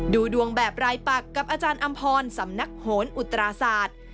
ดูดวงแบบรายปักกับอาจารย์อำพรสำนักโหนอุตราศาสตร์